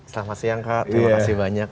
selamat siang kak terima kasih banyak